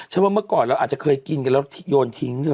ว่าเมื่อก่อนเราอาจจะเคยกินกันแล้วโยนทิ้งเธอ